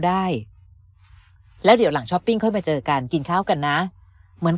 ได้แล้วเดี๋ยวหลังช้อปปิ้งค่อยมาเจอกันกินข้าวกันนะเหมือน